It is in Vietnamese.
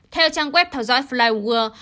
theo trang web thảo dõi flightwear